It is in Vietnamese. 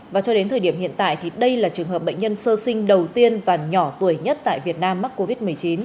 và cho đến thời điểm hiện tại thì đây là trường hợp bệnh nhân sơ sinh đầu tiên và nhỏ tuổi nhất tại việt nam mắc covid một mươi chín